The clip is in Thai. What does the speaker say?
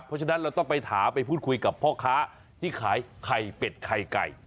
เพราะฉะนั้นเราต้องไปถามไปพูดคุยกับพ่อค้าที่ขายไข่เป็ดไข่ไก่